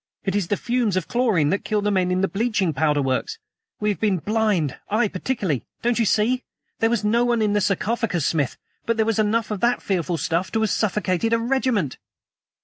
It is the fumes of chlorine that kill the men in the bleaching powder works. We have been blind I particularly. Don't you see? There was no one in the sarcophagus, Smith, but there was enough of that fearful stuff to have suffocated a regiment!"